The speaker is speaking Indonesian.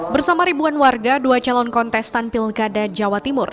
bersama ribuan warga dua calon kontestan pilkada jawa timur